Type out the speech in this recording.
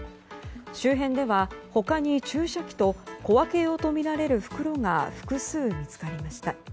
周辺では、他に注射器と小分け用とみられる袋が複数、見つかりました。